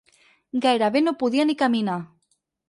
Gairebé no podia ni caminar.